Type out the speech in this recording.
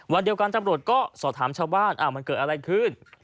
วันเดียวกันตำรวจก็สอบถามชาวบ้านมันเกิดอะไรขึ้น